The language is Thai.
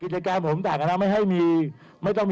ท่านบอกว่าเหมือน